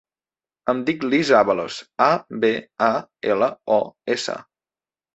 Em dic Lis Abalos: a, be, a, ela, o, essa.